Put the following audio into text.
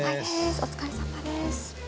お疲れさまです。